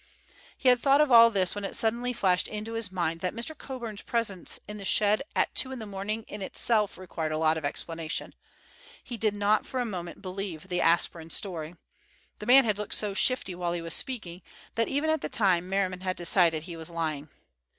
He had thought of all this when it suddenly flashed into his mind that Mr. Coburn's presence in the shed at two in the morning in itself required a lot of explanation. He did not for a moment believe the aspirin story. The man had looked so shifty while he was speaking, that even at the time Merriman had decided he was lying.